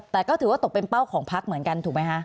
แต่ก็ถือว่าตกเป็นเป้าของพักเหมือนกันถูกไหมคะ